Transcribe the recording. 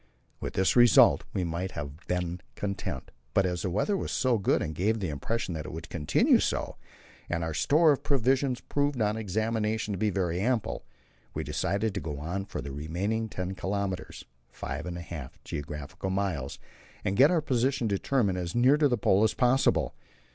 With this result we might very well have been content, but as the weather was so good and gave the impression that it would continue so, and our store of provisions proved on examination to be very ample, we decided to go on for the remaining ten kilometres (five and a half geographical miles), and get our position determined as near to the Pole as possible.